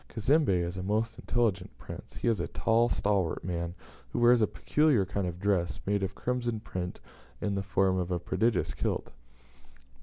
Cazembe is a most intelligent prince; he is a tall, stalwart man, who wears a peculiar kind of dress, made of crimson print, in the form of a prodigious kilt.